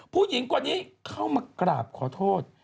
ผู้หญิงคนนี้เข้ามากราบขอโทษ